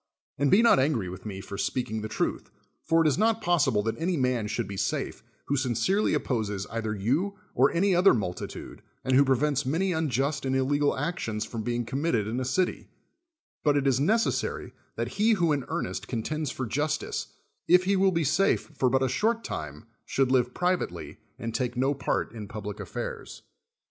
And be not angry with me for speaking the truth. For it is not possible that any man should be safe, who sincerely opposes either you or any other mul titude, and who prevents many unjust and ille gal actions from being committed in a city; but it is necessary that he who in earnest contends for justice, if he will be safe for but a short time, should live privately, and take no part in public affairs.